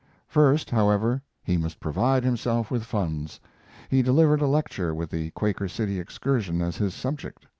First, however, he must provide himself with funds. He delivered a lecture, with the Quaker City excursion as his subject.